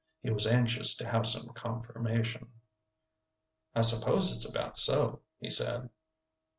He was anxious to have some confirmation. "I suppose it's about so," he said.